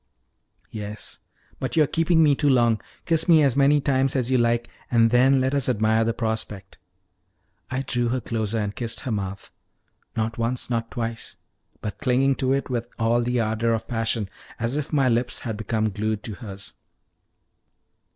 "Yes; but you are keeping me too long. Kiss me as many times as you like, and then let us admire the prospect." I drew her closer and kissed her mouth, not once nor twice, but clinging to it with all the ardor of passion, as if my lips had become glued to hers.